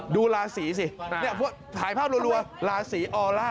ดูลาศรีสิเนี่ยพวกถ่ายภาพรั่วลาศรีออลล่า